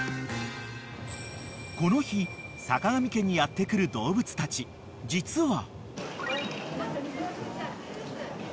［この日坂上家にやって来る動物たち実は］